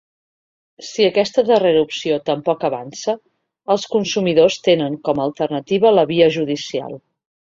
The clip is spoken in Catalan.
Si aquesta darrera opció tampoc avança, els consumidors tenen com alternativa la via judicial.